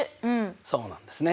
そうなんですね。